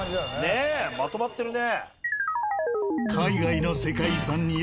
ねえまとまってるね。